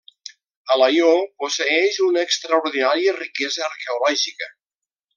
Alaior posseeix una extraordinària riquesa arqueològica.